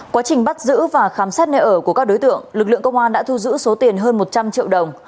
quá trình bắt giữ và khám xét nơi ở của các đối tượng lực lượng công an đã thu giữ số tiền hơn một trăm linh triệu đồng